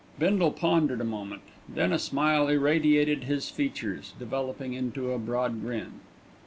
Bindle pondered a moment, then a smile irradiated his features, developing into a broad grin.